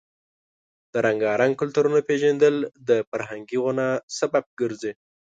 د رنګارنګ کلتورونو پیژندل د فرهنګي غنا سبب ګرځي.